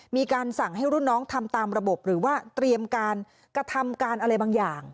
มีการสั่งให้รุ่นน้องทำตามระบบหรือว่าเตรียมการกระทำการอะไรบางอย่าง